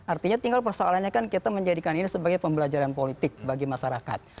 artinya tinggal persoalannya kan kita menjadikan ini sebagai pembelajaran politik bagi masyarakat